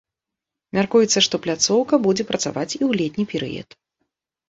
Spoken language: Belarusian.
Мяркуецца, што пляцоўка будзе працаваць і ў летні перыяд.